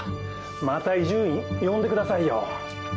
また伊集院呼んでくださいよ。